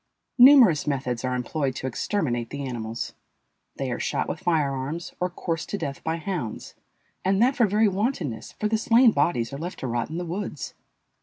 Numerous methods are employed to exterminate the animals; they are shot with fire arms or coursed to death by hounds, and that for very wantonness, for the slain bodies are left to rot in the woods.